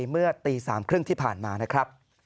เมื่อตี๓๓๐ที่ผ่านมานะครับ